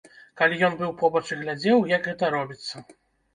Каб ён быў побач і глядзеў, як гэта робіцца.